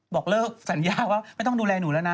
บอกเลิกสัญญาว่าไม่ต้องดูแลหนูแล้วนะ